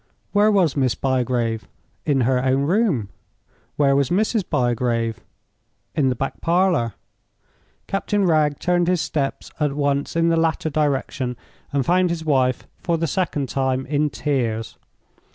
"Where was Miss Bygrave?" "In her own room." "Where was Mrs. Bygrave?" "In the back parlor." Captain Wragge turned his steps at once in the latter direction, and found his wife, for the second time, in tears.